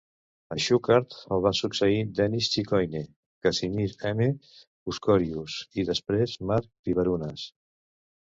A Schuckardt el va succeir Denis Chicoine Casimir M. Puskorius i després Mark Pivarunas.